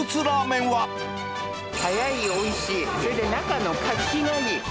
早い、おいしい、それで中の活気がいい。